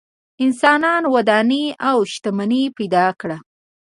انسانانو ودانۍ او شتمنۍ پیدا کړه.